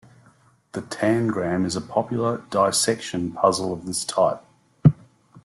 The tangram is a popular dissection puzzle of this type.